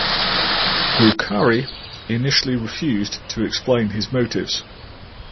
Bukhari initially refused to explain his motives.